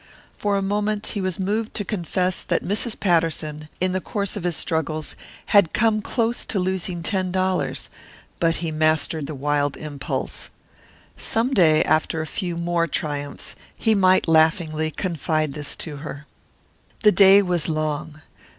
For a moment he was moved to confess that Mrs. Patterson, in the course of his struggles, had come close to losing ten dollars, but he mastered the wild impulse. Some day, after a few more triumphs, he might laughingly confide this to her. The day was long.